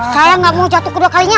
saya nggak mau jatuh kedua kalinya